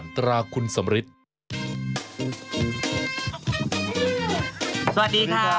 เท้าใส่ไข่